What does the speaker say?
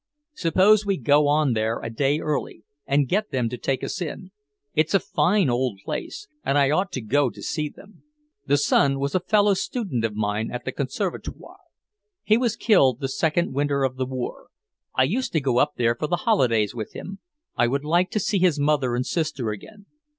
Suppose we go on there a day early, and get them to take us in? It's a fine old place, and I ought to go to see them. The son was a fellow student of mine at the Conservatoire. He was killed the second winter of the war. I used to go up there for the holidays with him; I would like to see his mother and sister again.